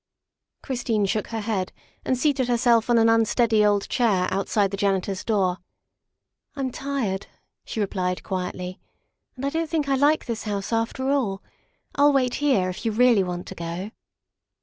Christine shook her head and seated herself on an unsteady old chair outside the janitor's door. "I'm tired," she replied quietly, " and I don't think I like this house after all. I'll wait here, if you really want to go."